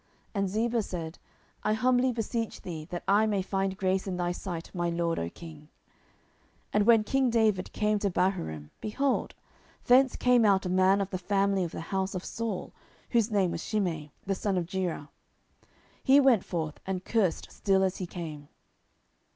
And Ziba said, I humbly beseech thee that I may find grace in thy sight, my lord, O king. 10:016:005 And when king David came to Bahurim, behold, thence came out a man of the family of the house of Saul, whose name was Shimei, the son of Gera: he came forth, and cursed still as he came.